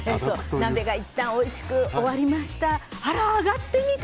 鍋がいったんおいしく終わりました。